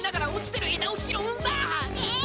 えっ？